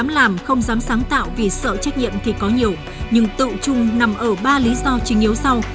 nguyên nhân dẫn đến tình trạng cán bộ công chức không dám nghĩ không dám làm không dám sáng tạo vì sợ trách nhiệm thì có nhiều nhưng tự chung nằm ở ba lý do trình yếu sau